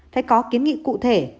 phải có kiến nghị cụ thể